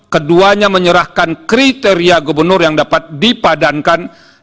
keduanya menyerahkan kriteria gubernur yang dapat dipadankan